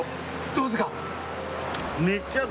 どうですか？